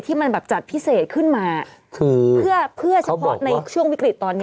ที่มันแบบจัดพิเศษขึ้นมาเพื่อเฉพาะในช่วงวิกฤตตอนนี้